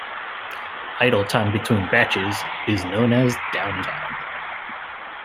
Idle time between batches is known as downtime.